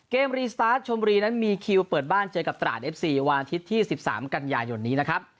รีสตาร์ทชมบุรีนั้นมีคิวเปิดบ้านเจอกับตราดเอฟซีวันอาทิตย์ที่๑๓กันยายนนี้นะครับ